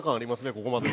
ここまでで。